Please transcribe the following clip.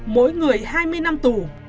mỗi người hai mươi năm tù